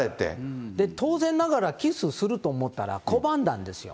当然ながら、キスすると思ったら、拒んだんですよ。